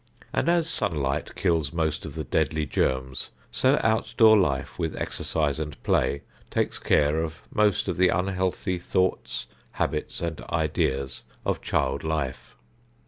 And as sunlight kills most of the deadly germs, so outdoor life with exercise and play takes care of most of the unhealthy thoughts, habits and ideas of child life.